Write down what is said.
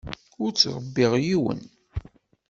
Ur ttṛebbiɣ yiwen.